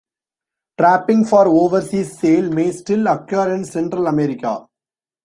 Trapping for overseas sale may still occur in Central America.